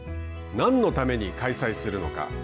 何のために開催するのか。